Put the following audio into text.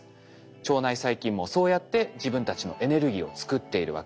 腸内細菌もそうやって自分たちのエネルギーを作っているわけです。